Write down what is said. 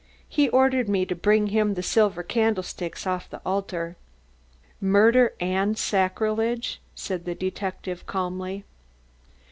He ordered me to bring him the silver candlesticks off the altar." "Murder and sacrilege," said the detective calmly.